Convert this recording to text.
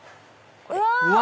うわ！